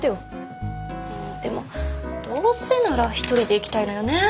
んでもどうせなら１人で行きたいのよね。